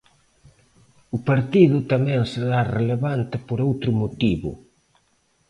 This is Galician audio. O partido tamén será relevante por outro motivo.